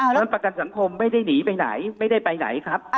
เงินประกันสังคมไม่ได้หนีไปไหนไม่ได้ไปไหนครับ